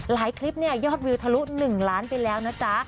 คลิปเนี่ยยอดวิวทะลุ๑ล้านไปแล้วนะจ๊ะ